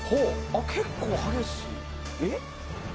結構激しい。